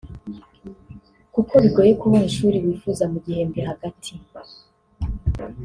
kuko bigoye kubona ishuri wifuza mu gihembwe hagati